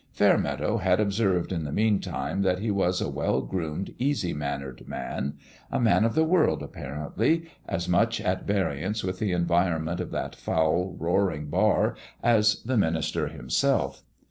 Fairmeadow had observed in the meantime that he was a well groomed, easy mannered man a man of the world, apparently, as much at variance with the environment of that foul, roaring bar as the minister himself.